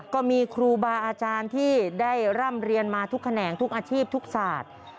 ก็มีครูบาอาจารย์ที่ได้ร่ำเรียนมาทุกแขนงทุกอาชีพทุกศาสตร์